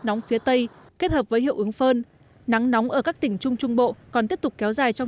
nóng phía tây kết hợp với hiệu ứng phơn nắng nóng ở các tỉnh trung trung bộ còn tiếp tục kéo dài trong